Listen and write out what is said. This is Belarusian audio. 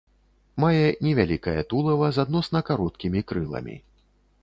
Мае невялікае тулава з адносна кароткімі крыламі.